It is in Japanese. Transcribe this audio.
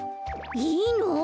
いいの？